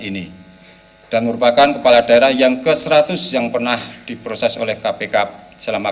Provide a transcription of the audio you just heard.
dua ribu delapan belas ini dan merupakan kepala daerah yang ke seratus yang pernah diproses oleh kpk selama